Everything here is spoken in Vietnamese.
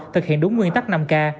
thực hiện đúng nguyên tắc năm k